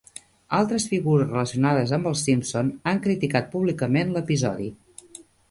Altres figures relacionades amb Els Simpson han criticat públicament l'episodi.